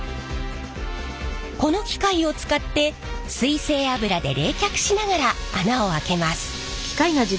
この機械を使って水性油で冷却しながら穴をあけます。